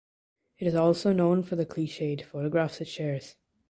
It is also known for the cliched photographs it shares.